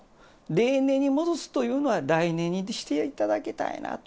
例年に戻すというのは、来年にしていただきたいなと。